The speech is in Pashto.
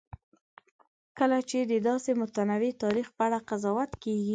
کله چې د داسې متنوع تاریخ په اړه قضاوت کېږي.